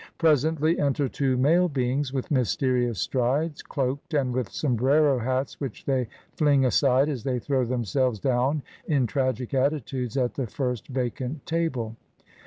Presently enter two male beings with mysterious strides, cloaked, and with sombrero hats which they fling aside as they throw themselves down in tragic attitudes at the first vacant table.